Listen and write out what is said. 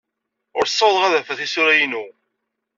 Ur ssawḍeɣ ad d-afeɣ tisura-inu.